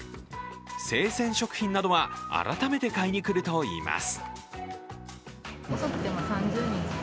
生鮮食品などは改めて買いに来るといいます。